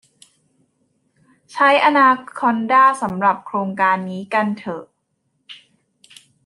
ใช้อนาคอนดาสำหรับโครงการนี้กันเถอะ